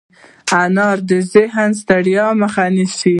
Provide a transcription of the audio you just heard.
انار د ذهني ستړیا مخه نیسي.